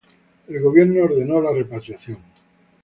El gobierno ordenó la repatriación.